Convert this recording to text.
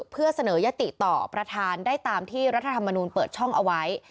เพื่อเสนอยติต่อประธานได้ตามที่รัฐธรรมนูลเปิดช่องเอาไว้